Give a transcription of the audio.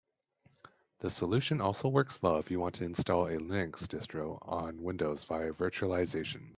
This solution also works well if you want to install a Linux distro on Windows via virtualization.